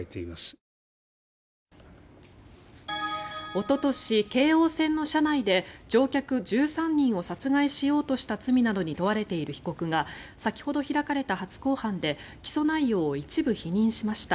おととし、京王線の車内で乗客１３人を殺害しようとした罪などに問われている被告が先ほど開かれた初公判で起訴内容を一部否認しました。